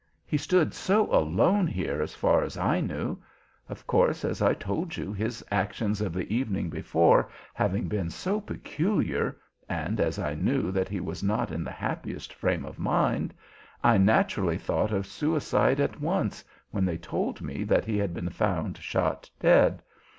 He stood so alone here, as far as I knew. Of course, as I told you, his actions of the evening before having been so peculiar and as I knew that he was not in the happiest frame of mind I naturally thought of suicide at once, when they told me that he had been found shot dead.